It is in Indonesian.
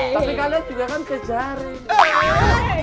tapi kalian juga kan ke jari